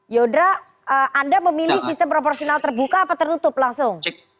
yodra anda memilih sistem proporsional terbuka atau tertutup langsung